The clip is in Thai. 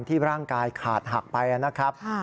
ร่างกายขาดหักไปนะครับ